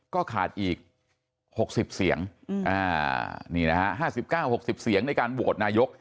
ก็ขาดอีกหกสิบเสียงอ่านี่นะฮะห้าสิบเก้าหกสิบเสียงในการโหวตนายก